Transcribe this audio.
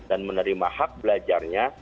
dan menerima hak belajarnya